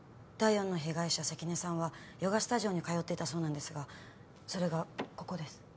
第４の被害者関根さんはヨガスタジオに通ってたそうなんですがそれがここです。